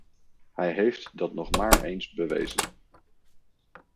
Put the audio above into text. Hij heeft dat nog maar eens bewezen.